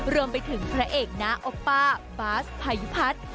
รวมไปถึงพระเอกน้าโอป้าบาสพายุพัฒน์